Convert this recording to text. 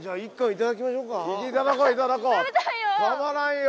たまらんよ。